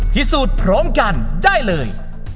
พิสูจน์พร้อมกันได้เลย